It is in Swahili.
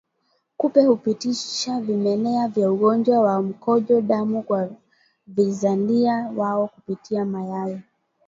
Kupe hupitisha vimelea vya ugonjwa wa mkojo damu kwa vizalia wao kupitia mayai